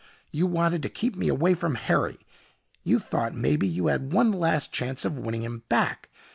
You wanted to keep me away from Harry. You thought maybe you had one last chance of winning him back.